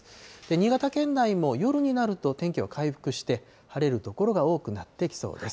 新潟県内も夜になると天気は回復して、晴れる所が多くなってきそうです。